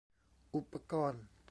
อุปกรณ์